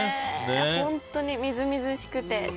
本当にみずみずしくて。